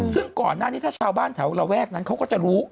ซึ่งก่อนหน้านี้ถ้าชาวบ้านแถวระแวกนั้นเขาก็จะรู้